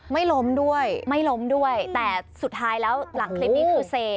ไม่ล้มด้วยไม่ล้มด้วยแต่สุดท้ายแล้วหลังคลิปนี้คือเซ